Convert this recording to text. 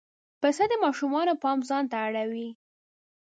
پسه د ماشومانو پام ځان ته را اړوي.